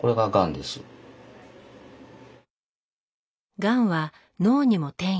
がんは脳にも転移。